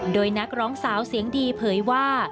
โดยนักร้องสาวเสียงดีเผยว่า